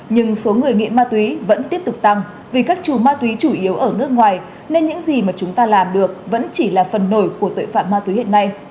nhưng số người nghiện ma túy vẫn tiếp tục tăng vì các chủ ma túy chủ yếu ở nước ngoài nên những gì mà chúng ta làm được vẫn chỉ là phần nổi của tội phạm ma túy hiện nay